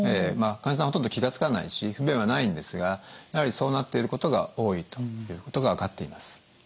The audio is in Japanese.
まあ患者さんはほとんど気が付かないし不便はないんですがやはりそうなっていることが多いということが分かっています。